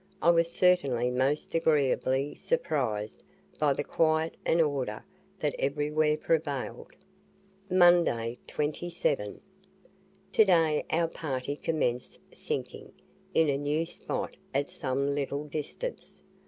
I was certainly most agreeably surprised by the quiet and order that everywhere prevailed. MONDAY, 27. Today our party commenced "sinking" in a new spot at some little distance.